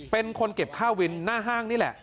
เป็นคนเก็บค่าวินหน้าห้างนี่แหละ